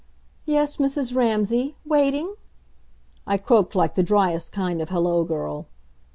"Yes, Mrs. Ramsay, waiting?" I croaked like the driest kind of hello girl.